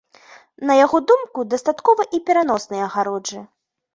На яго думку, дастаткова і пераноснай агароджы.